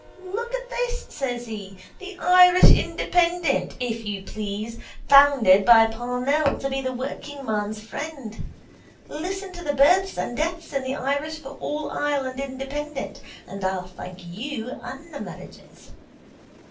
Look at this, says he. The Irish Independent, if you please, founded by Parnell to be the workingman's friend. Listen to the births and deaths in the Irish all for Ireland Independent, and I'll thank you and the marriages.